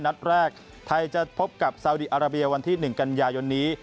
นัดแรกไทยจะพบกับซาวดีอาราเบียวันที่๑กันยายนนี้